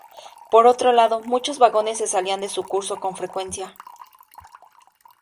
Por otro lado, muchos vagones se salían de su curso con frecuencia.